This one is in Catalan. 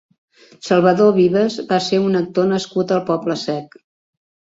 Salvador Vives va ser un actor nascut al Poble-sec.